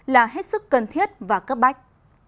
là hết sức cần thiết và cấp bách